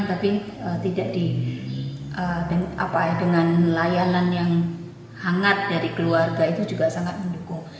tapi tidak dengan layanan yang hangat dari keluarga itu juga sangat mendukung